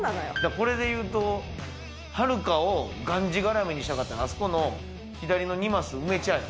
これでいうと、はるかをがんじがらめにしたかったら、あそこの左の２マス埋めちゃえば。